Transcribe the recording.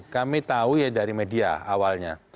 kami tahu ya dari media awalnya